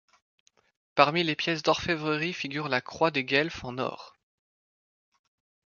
Parmi les pièces d'orfèvrerie figure la Croix des Guelfes en or.